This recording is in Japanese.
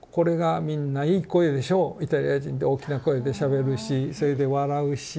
イタリア人で大きな声でしゃべるしそれで笑うし。